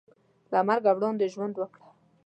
له مرګه وړاندې ژوند وکړه .